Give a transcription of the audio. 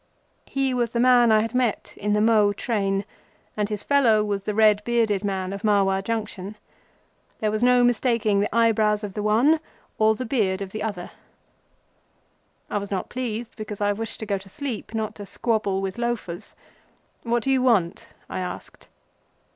He was the man I had met in the Mhow train, and his fellow was the red bearded man of Marwar Junction. There was no mistaking the eyebrows of the one or the beard of the other. I was not pleased, because I wished to go to sleep, not to squabble with loafers. "What do you want?" I asked.